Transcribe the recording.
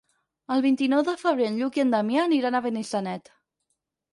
El vint-i-nou de febrer en Lluc i en Damià aniran a Benissanet.